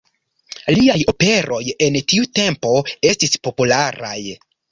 Liaj operoj en tiu tempo estis popularaj.